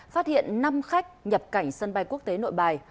phát hiện năm khách nhập cảnh sân bay quốc tế nội bài